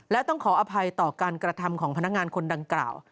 และต้องขออภัยต่อการกระทำของพนักงานคนดังกล่าว